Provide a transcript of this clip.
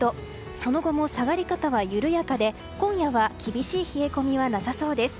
その後も下がり方は緩やかで今夜は厳しい冷え込みはなさそうです。